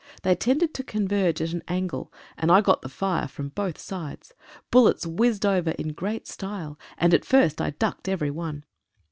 They tended to converge at an angle, and I got the fire from both sides. Bullets whizzed over in great style, and at first I ducked at every one.